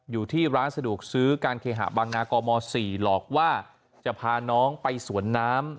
อยู่ที่ร้านสะดวกซื้อการเคหะบางนากม๔หลอกว่าจะพาน้องไปสวนน้ำ